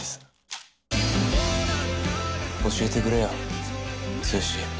教えてくれよ、剛。